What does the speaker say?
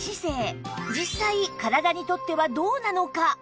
実際体にとってはどうなのか？